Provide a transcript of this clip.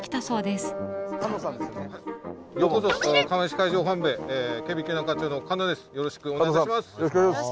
そうですね。